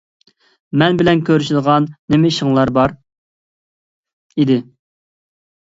مەن بىلەن كۆرۈشىدىغان نېمە ئىشىڭلار بار ئىدى؟